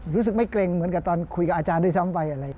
รู้สึกไม่เกร็งเหมือนกับตอนคุยกับอาจารย์ด้วยซ้ำไปอะไร